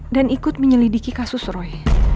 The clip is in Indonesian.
dan ikut menyelidiki kasus roy